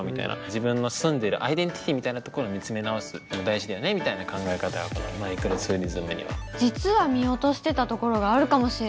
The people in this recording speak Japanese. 自分の住んでるアイデンティティーみたいなところを見つめ直すのも大事だよねみたいな考え方がこのマイクロツーリズムには。